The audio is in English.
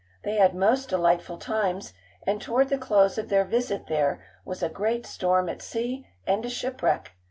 They had most delightful times, and toward the close of their visit there was a great storm at sea, and a shipwreck.